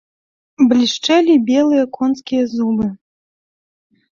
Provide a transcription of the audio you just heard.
Блішчэлі белыя конскія зубы.